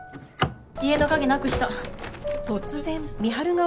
家の鍵なくした。